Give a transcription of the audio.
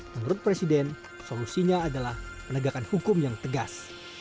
menurut presiden solusinya adalah penegakan hukum yang tegas